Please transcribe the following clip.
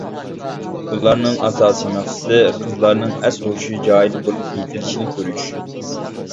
ئۇلارنىڭ ئاساسىي مەقسىتى قىزلارنىڭ ئەس-ھوشى جايىدا بولۇپ يېتىلىشىنى كۆرۈش.